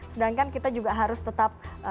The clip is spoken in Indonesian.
sedangkan kita juga harus tetap